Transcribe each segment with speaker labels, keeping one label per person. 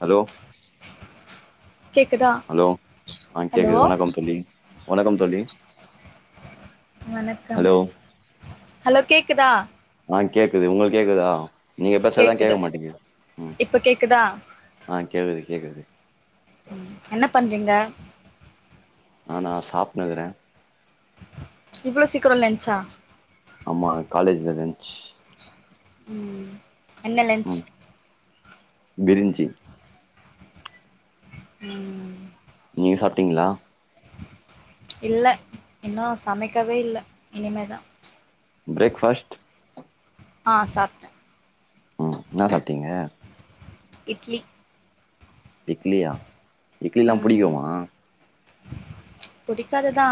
Speaker 1: hello
Speaker 2: [inaudible]
Speaker 1: hello ஆ
Speaker 2: hello
Speaker 1: கேகுது வணக்கம் தொல்லி வணக்கம் தொல்லி
Speaker 2: வணக்கம் ஹலோ கேகுதா
Speaker 1: ஆ கேகுது உங்களுக்கு கேக்குதா நீங்க பெசாதா
Speaker 2: கேக்குது
Speaker 1: கேக்க மாட்டிங்குது உ
Speaker 2: இப்ப கேக்குதா
Speaker 1: ஆ கேக்குது கேக்குது
Speaker 2: என்ன பண்றீங்க
Speaker 1: நா நா சாப்ட்னுக்குறே
Speaker 2: இவ்வள சீக்கரோ லன்சா
Speaker 1: ஆமா காலேஜ்ல லன்ச்
Speaker 2: உ உ என்ன லஞ்ச்
Speaker 1: ம் பிரிஞ்சி
Speaker 2: உ உ
Speaker 1: நீங்க சாப்ட்டிங்களா
Speaker 2: இல்ல இன்னு சமைக்கவே இல்ல இனிமேதா
Speaker 1: ப்ரேக்ஃபாஸ்ட்
Speaker 2: ஆ சாப்ட்டே
Speaker 1: உ என்ன சாப்ட்டிங்க
Speaker 2: இட்லி
Speaker 1: டிட்லியா இட்லிலா பிடிக்குமா
Speaker 2: பிடிக்காதுதா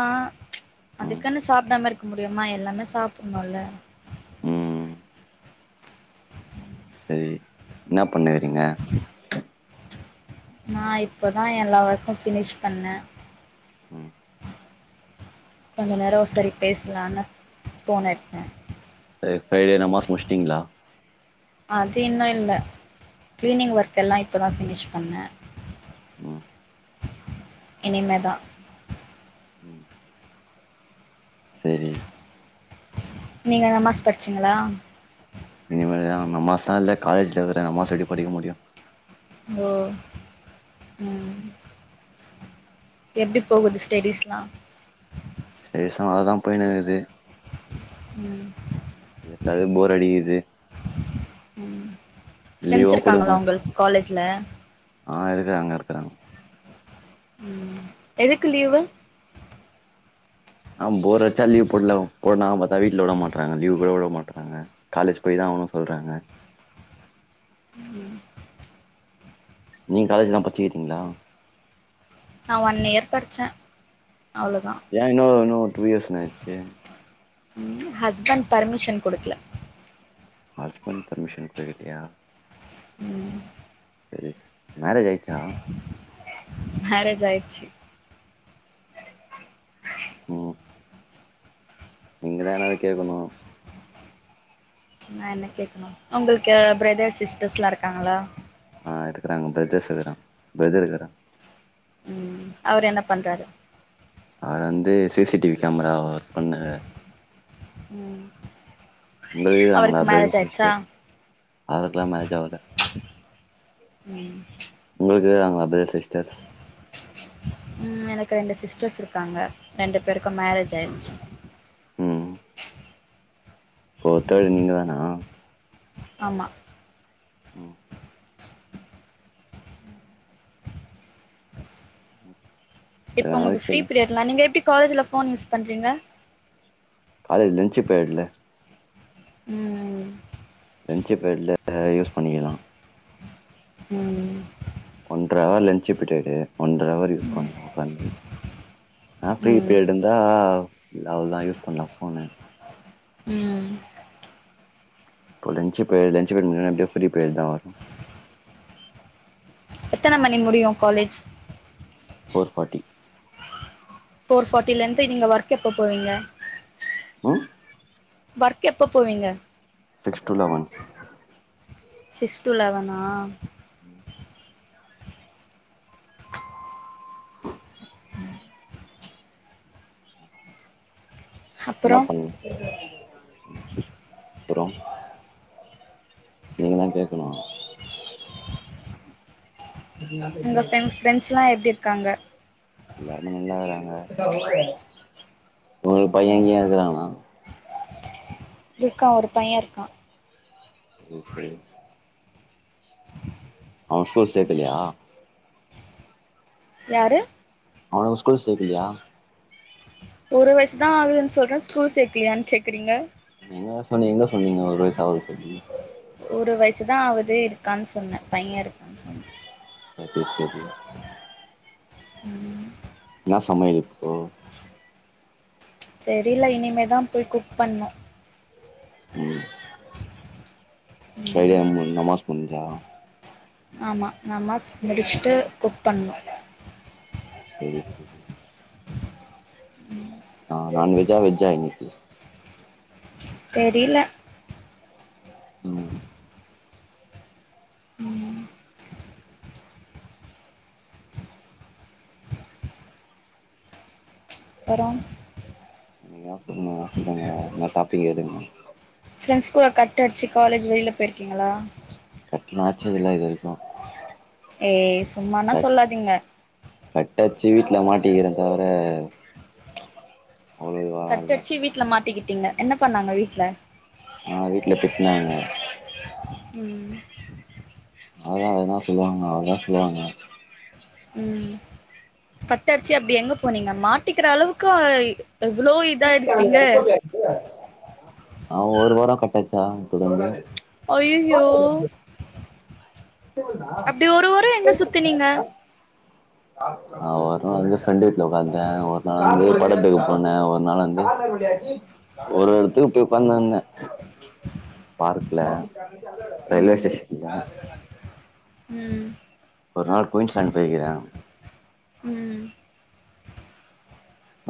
Speaker 1: ம்
Speaker 2: அதுக்குனு சாப்டாம இருக் முடியுமா எல்லாமே சாப்பிட்ணுல
Speaker 1: உ செரி என்ன பண்ணுக்றீங்க
Speaker 2: நா இப்பதா எல்லா ஒர்க்கு ஃபினிஷ் பண்ணே
Speaker 1: உ
Speaker 2: கொஞ்ச நேரோ சரி பேசலானு ஃபோன எடுதே
Speaker 1: அ ஃப்ரைடே நமாஸ் முடிச்சிட்டிங்களா
Speaker 2: அது இன்னு இல்ல க்ளினிங்ஒர்க்எல்லா இப்பதா ஃபினிஷ் பண்ணே
Speaker 1: உ
Speaker 2: இனிமேதா
Speaker 1: செரி
Speaker 2: நீங்க நமாஸ் படிச்சீங்களா
Speaker 1: இனிமேல்தா நமாசா இல்ல காலேஜ்ல இருக்கற நமாஸ் எப்டி படிக்க முடியு
Speaker 2: ஓ உ எப்டி போகுது ஸ்டெடிஸ்லா
Speaker 1: ஏ ஸாம் அதுதா போய்னுருக்குது
Speaker 2: ம்
Speaker 1: எதாவது போர் அடிக்குது
Speaker 2: ம் ஃப்ரெண்ட்ஸ்
Speaker 1: லீவோ
Speaker 2: இருக்காங்களா
Speaker 1: குடுக்கமாட்ற
Speaker 2: உங்களுக்கு காலேஜ்ல
Speaker 1: ஆ இருக்க அங்க இரு கரங்க
Speaker 2: உ எதுக்கு லீவு
Speaker 1: ஆ போர் வச்சா லீவ் போடல போடலானு பார்த்தா வீட்டுல விட மாட்டறாங்க லீவ் கூட விட மாட்டறாங்க காலேஜ் போய் தா அவனு சொல்றாங்க
Speaker 2: உ
Speaker 1: நீ காலேஜ்லா பட்ச்சிருக்கீங்களா
Speaker 2: நா ஒன் இயர் பறிச்சே
Speaker 1: ஏ இன்நோ இன்நோர் டூ இயர்ஸ் என்னேச்சி
Speaker 2: ஹஸ்பண்ட் பர்மிஷன் கொடுக்கல
Speaker 1: ஹஸ்பண்ட் பர்மிஷன் குடுக்கலயா
Speaker 2: உ
Speaker 1: செரி மேரேஜ் ஆயிட்ச்சா
Speaker 2: மேரேஜ் ஆயிட்ச்சு
Speaker 1: நீங்கதா என்னாது கேக்கணு
Speaker 2: ந என்ன கேக்கணு உங்களுக்கு பிரதர் சிஸ்டர்ஸ்லா இருக்காங்களா
Speaker 1: ஆ இருக்குக்கிறாங்க பிரதர்ஸ் இருக்கிறா பிரதர் இருக்கிறா
Speaker 2: உ அவரு என்ன பண்றாரு
Speaker 1: அ வந்து C C TV camera work பண்ராரு
Speaker 2: உ
Speaker 1: [unintelligible] அவருக்கெல்லா மேஜ் ஆவல
Speaker 2: ம்
Speaker 1: [unintelligible] மதர் சிஸ்டர்ஸ்
Speaker 2: உ எனக்கு ரெண்டு சிஸ்டர்ஸ் இருக்காங்க ரெண்டு பேருக்கு மேரேஜ் ஆயிரிச்சு
Speaker 1: உ போத்தழ
Speaker 2: ம்
Speaker 1: நீங்க தானா
Speaker 2: ஆமா
Speaker 1: உ
Speaker 2: இப்ப
Speaker 1: அதனால
Speaker 2: உங்கள்கு ஃப்ரீ
Speaker 1: கேளுங்க
Speaker 2: பீரியட்லா நீங்க எப்டி காலேஜில ஃபோன் யூஸ் பண்ணுறீங்க
Speaker 1: காலேஜ் லஞ்சு பீரியட்ல
Speaker 2: உ உ
Speaker 1: லஞ்ச் பீரியட்ல ஆ யூஸ் பண்ணிக்கலா
Speaker 2: உ
Speaker 1: ஒன்றவர் லஞ்சு பீரியட் ஒன்றவரு [unintelligible] பண்ணுவே உக்காந்து நா [unintelligible] பிரீ
Speaker 2: ம்
Speaker 1: பீரியட் இருந்தா இல்ல அவ்ளதா யூஸ் பண்லா ஃபோன
Speaker 2: ம்
Speaker 1: இப்போ லஞ்சு போய் லஞ்சு பீரியட் முடிஞ்சா உடனே அப்டியே ஃபிரீ பீரியட்டு தா வரனு
Speaker 2: எத்தன மணி முடியு காலேஜ்
Speaker 1: ஃபோர் ஃபாட்டி
Speaker 2: ஃபோர் ஃபாட்டில இருந்து நீங்க ஒர்க் எப்போ போவீங்க
Speaker 1: ம்
Speaker 2: ஓர்க் எப்ப போவீங்க
Speaker 1: six to eleven
Speaker 2: six to லெவனா
Speaker 1: ம் என்ன
Speaker 2: அப்புறம்
Speaker 1: பண்ண அப்பறோ நீங்கதா கேக்கணு
Speaker 2: உங்க ஃப்ரெண்ஸ் ஃப்ரெண்ட்ஸ்லா எப்டி இருக் க்காங்க
Speaker 1: எல்லாருமே நல்லாகறாங்க உங்களுக்கு பையங்கிய இருக்குறானா
Speaker 2: இருக்கா ஒரு பைய இருக்கா
Speaker 1: ஓகே அவ ஸ்கூல் சேக்கலையா
Speaker 2: யாரு
Speaker 1: அவனவ ஸ்கூல் சேக்கலியா
Speaker 2: ஒரு வயிசுதா ஆகுதுன் சொல்ற ஸ்கூல் சேக்கலையான் கேக்குறீங்க
Speaker 1: நீங்கதா சொன்னீங்க எங்க சொன்னீங்க ஒரு வைஸ் ஆவுது சொல்லி
Speaker 2: ஒரு வயிசுதா ஆவுது இருக்கான் சொன்ன பைய இருக் கான் சொன்ன
Speaker 1: அது சேரி
Speaker 2: ம்
Speaker 1: என்ன சமயல் இப்போ
Speaker 2: தெரில இனிமேதா போய் குக் பண்ணு
Speaker 1: ம்
Speaker 2: [inaudible]
Speaker 1: ஃரைடே
Speaker 2: ம்
Speaker 1: நம்ம நமாஸ் பண்றா
Speaker 2: ஆமா நாமஸ் முடுச்சுட்டு குக் பண்ணு
Speaker 1: சேரி சேரி ஆ நான்வெஜ்ஜா வெஜ்ஜா இன்னிக்கு
Speaker 2: தெரில
Speaker 1: ம்
Speaker 2: அப்பறோம்
Speaker 1: நீங்க எதா சொல்னுனா சொல்லுங்க எதுன்னா டாப்பிக் எடுங்க
Speaker 2: ஃப்ரெண்ட்ஸ் கூட கட் அடுச்சு காலேஜ் வெளில போயிருக்கீங்களா
Speaker 1: [unintelligible] இது வரைக்கு
Speaker 2: ஏ சும்மானா சொல்லாதீங்க
Speaker 1: கட்டாச்சு வீட்ல மாட்டிக்கிற தவர
Speaker 2: கட்டடுச்சு வீட்ல மாட் மாட்டிக்கிட்டீங்க என்ன பண்ணாங்க வீட்ல
Speaker 1: ஆ வீட்ல திட்நாங்க
Speaker 2: ம்
Speaker 1: அததா அததா சொல்லுவாங்க அவங்கதா சொல்லுவாங்க
Speaker 2: ம் கட்டடுச்சு அப்டி எங்க போனீங்க மாட்டிக்கிற அளவுக்கு எவ்ளோ இதா இருப்பீங்க
Speaker 1: நா ஒரு வாரோ கட்டாச்சு தா தொடந்து
Speaker 2: ஐயையோ
Speaker 1: சத்தழு தா பாா [unintelligible]
Speaker 2: சுத்துனீங்க
Speaker 1: அவரு அங்க சண்டே இதோ வந்த ஒரு நாளு படத்துக்கு போன ஒரு நாள் வந்து ஒரு எடத்துக்கு போய் உக்காந்தாங்க பார்க்ல ரயில்வே
Speaker 2: ம்
Speaker 1: ஸ்டேஷன்ல
Speaker 2: ம்
Speaker 1: ஒரு நாள் குயின்ஸ் லேண்டு போயிக்குற
Speaker 2: ம்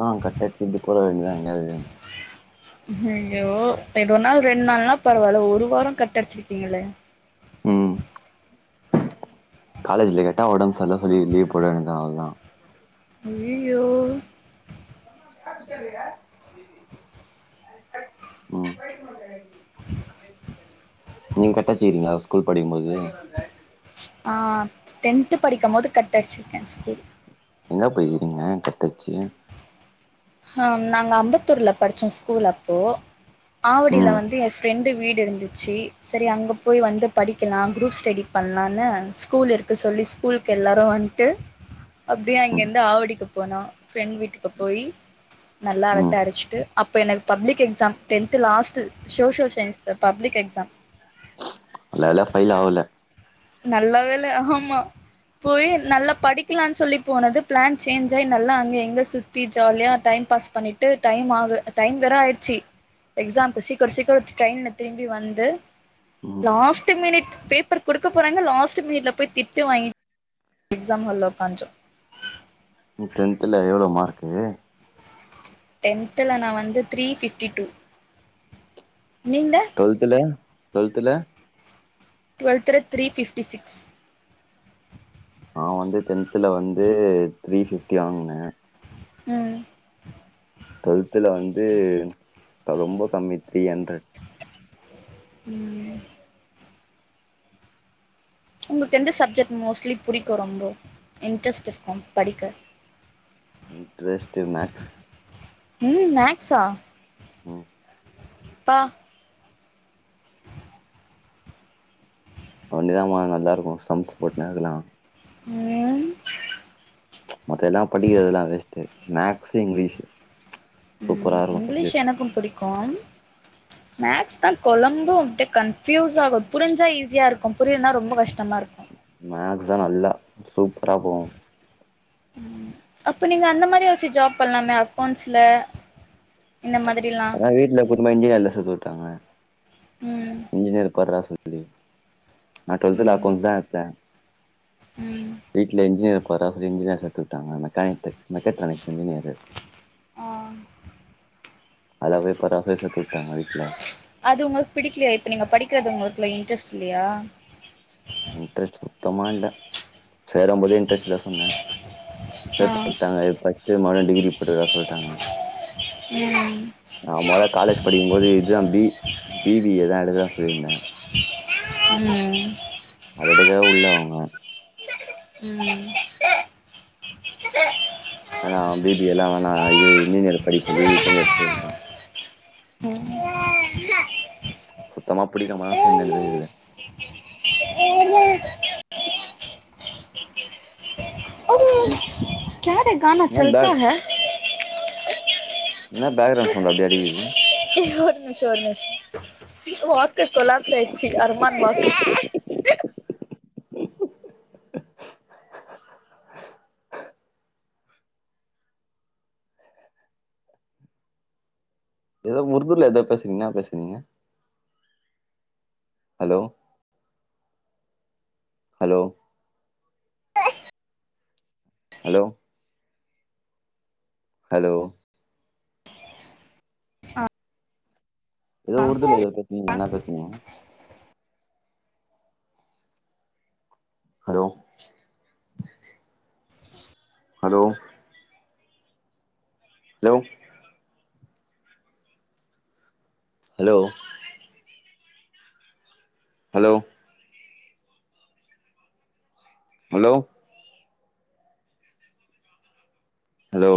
Speaker 1: ஆ கட்டடுச்சு இப்டி கோல வேண்டிதா எங்கயாவது
Speaker 2: ஐயோ போயிட்டு ஒரு நாள் ரெண் நாள்னா பரவால்ல ஒரு வாரங் கட்டடுச்சுருக்கீங்களே
Speaker 1: ம் காலேஜ்ல கேட்டா ஒடம் சர்ல சொல்லி லீவ் போட வேன்டிதா அவ்ளதா
Speaker 2: அயையோ
Speaker 1: ம் நீங்க கட்டடுச்சுக்கீங்களா ஸ்கூல் படிக்கும்போது
Speaker 2: ஆ டென்து படிக்கும் போது கட் அடுச்சுருக்க ஸ்கூல்
Speaker 1: எங்க போயிருக்கீங்க கட்டடுச்சு
Speaker 2: நாங்க அம்பத்தூர்ல படிச்சோ ஸ்கூல் அப்போ ஆவடியில
Speaker 1: ம்
Speaker 2: வந்து எ ஃப்ரெண்டுவ் வீடு இருந்துச்சு சேரி அங்க போய் வந்து படிக்கலா குரூப் ஸ்டெடி பண்லான்னு ஸ்கூல் இருக்கு சொல்லி ஸ்கூலுக்கு எல்லாரு வன்ட்டு அப்டியே
Speaker 1: ம்
Speaker 2: அங்கேருந்து ஆவடிக்கு போனோ ஃப்ரெண்ட் வீட்டுக்கு போய் நல்லா அரட்ட
Speaker 1: ம்
Speaker 2: அடுச்சுட்டு அப்ப எனக்கு public exam tenth last social science public exam
Speaker 1: நல்ல வேல பெயில் ஆவுல
Speaker 2: நல்ல வேல ஆமா போயி நல்லா படிக்கலான் சொல்லி போனது பிளேன் சேஞ் ஆயி நல்லா அங்க எங்க சுத்தி ஜாலியா டைம் பாஸ் பண்ணிட்டு டைம் ஆகு டைம் வேற ஆயிடுச்சு எக்ஸாம்கு சீக்கரோ சீக்கரோ டிரெயின்ல திரும்பி வந்து
Speaker 1: ம்
Speaker 2: லாஸ்டு மினிட் பேப்பர் குடு குடுக்க போறாங்க லாஸ்ட்டு மினிட்ல போய் திட்டுவாங்கி எக்ஸாம் ஹால்ல உக்கான்று
Speaker 1: நீ டென்த்ல எவ்வளோ மார்க்கு
Speaker 2: டென்துல நா வந்து த்ரீ ஃபிப்டி டூ நீங்க
Speaker 1: டுவெல்துல டுவெல்துல
Speaker 2: டுவல்த்துல த்ரீ பிஃப்டி சிக்ஸ்
Speaker 1: நா வந்து டென்த்துல வந்து த்ரீ பிஃப்டி வாங்குனே
Speaker 2: ம்
Speaker 1: டுவெல்த்துல வந்து ரொம்ப கம்மி த்ரீ அண்ரட்
Speaker 2: ம் உங்களுக்கு எந்த சப்ஜெட் மோஸ்ட்லி புடிக்கும் ரொம்ப இன்ட்ரெஸ்ட் இருக்கு படிக்க
Speaker 1: இன்ட்ரெஸ்டிவ் மேக்ஸ்
Speaker 2: ம் மேக்ஸா
Speaker 1: ம்
Speaker 2: பா
Speaker 1: வொண்டி தா மா நல்லா இருக்கு சம்சு போட்டுனே இருக்கலா
Speaker 2: ம்
Speaker 1: ச் மத்த எல்லா படிக்கிறதுதெல்லா வேஸ்ட்டு மேக்சு இங்கிலீஷ்
Speaker 2: ம் இங்கிலீஷ் எனக்கு புடிக்கு மேக்ஸ் தா கொளம்பு அப்டியே கன்ஃயூஸ் ஆகு புரிஞ்சா ஈஸியா இருக்கு புரியலனா ரொம்ப கஷ்ட
Speaker 1: மேக்ஸஅ நல்லா சூப் பிராகு
Speaker 2: அப்ப நீங்க அந்த மாரி ஏதாச்சு ஜாப் பண்ணலாமே அக்கௌன்ஸ்ல
Speaker 1: அதா வீட்ல கூட்டுனு போய் இஞ்ஜினியர்ல சேத்து விட்டாங்க
Speaker 2: ம்
Speaker 1: இஞ்ஜினியர் [unintelligible] [unintelligible] நா ட்வெல்த்துல
Speaker 2: ம்
Speaker 1: அக்கௌன்ஸ் தா எடுத்தே
Speaker 2: ம்
Speaker 1: வீட்ல இஞ்ஜினீயர் போடா சொல்லி என்ஜினீயர் சேத்து விட்டாங்க என்ன ணித்து மெகட்ரானிக்ஸ் இஞ்ஜினியரு
Speaker 2: ஆ
Speaker 1: [unintelligible]
Speaker 2: அது உங்களுக்கு பிடிக்கலையா இப்ப நீங்க படிக்கிறது உங்களு ல்ல இன்ட்ரெஸ்ட் இல்லயா
Speaker 1: இன்ட்ரெஸ்ட் தமாண்ட சேரும் போதே இன்ட்ரெஸ்ட்ல்ல சொன்ன
Speaker 2: ஆ
Speaker 1: சேத்து விட்டாங்க இப்ப திருமயு டிகிரி போட்டுக்க டா சொல்றாங்க போயிட்டாங்க
Speaker 2: ம்
Speaker 1: நா மொத காலேஜ் படிக்கும்போது இதாம் பி பி பி ஏ தா எடுக்கலான் சொல்லியிருந்த
Speaker 2: ம்
Speaker 1: அத எடுக்கவே உள்ள அவங்க
Speaker 2: ம்
Speaker 1: அதா பி பி ஏல்லா வேனா இதுவே இன்ஜினியர் படிக்க சொல்லி இன்ஜினியர் சேத்து விட்டாங்
Speaker 2: ம் ம்
Speaker 1: சுத்தமா புடிக்காமதா சேந்த இந்த இன்ஜினியரிங் இதுல
Speaker 2: என்னடே கானா
Speaker 1: என்ன பேக்
Speaker 2: சொல்டாங்க [inaudible]
Speaker 1: என்ன பேக்ரவுண்ட் சவுண்டு அப்டி அடிக்குது
Speaker 2: ஏ ஒரு நிம்ஷோ ஒரு நிம்ஷோ வாக்கர் கொலாப்ஸ் ஆயிருச்சு அருமான் வாக்கு
Speaker 1: [inaudible] எதோ உருதுல எதோ பேசுனீங்க என்ன பேசுனீங்க அலோ ஹலோ அலோ ஹலோ எதோ உறுதுல எதோ பேசுனீங்க என்ன பேசுனீங்க ஹலோ
Speaker 2: [inaudible]
Speaker 1: ஹலோ லோ ஹலோ ஹலோ அலோ அலோ